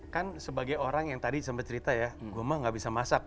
kan sebagai orang yang tadi sempat cerita ya gue mah gak bisa masak